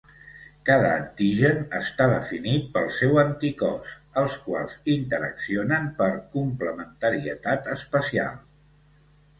Cada antigen està definit pel seu anticòs, els quals interaccionen per complementarietat espacial.